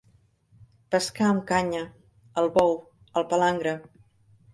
Pescar amb canya, al bou, al palangre.